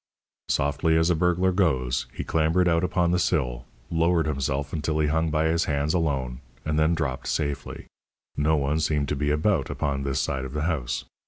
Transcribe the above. Softly as a burglar goes, he clambered out upon the sill, lowered himself until he hung by his hands alone, and then dropped safely. No one seemed to be about upon this side of the house.